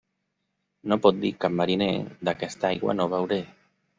No pot dir cap mariner “d'aquesta aigua no beuré”.